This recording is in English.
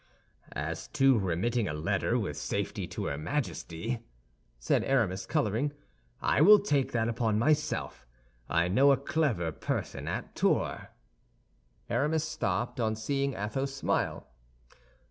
"As to remitting a letter with safety to her Majesty," said Aramis, coloring, "I will take that upon myself. I know a clever person at Tours—" Aramis stopped on seeing Athos smile.